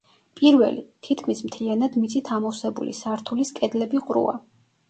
პირველი, თითქმის მთლიანად მიწით ამოვსებული სართულის კედლები ყრუა.